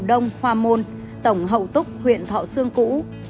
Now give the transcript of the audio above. phố lan ông là đất thôn hậu đông hoa môn tổng hậu túc huyện thọ sương cũ